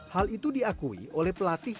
hal itu diakui oleh pelatih